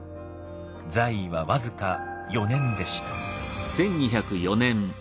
在位は僅か４年でした。